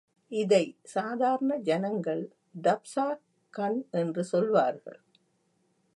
இதைச் சாதாரண ஜனங்கள் டப்ஸா கண் என்று சொல்வார்கள்.